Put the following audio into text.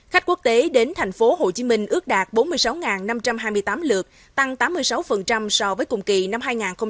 khách quốc tế đến tp hcm ước đạt bốn mươi sáu năm trăm hai mươi tám lượt tăng tám mươi sáu so với cùng kỳ năm hai nghìn một mươi tám